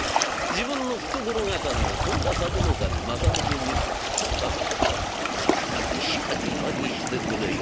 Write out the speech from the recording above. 自分の懐刀の本多佐渡守正信に「佐渡かくかくしかじかにしてくれよ」。